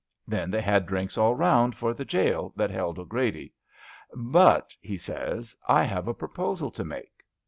Then they had drinks all round for the jail that held 'Grady. ' But,' he says, * I have a proposal to make.'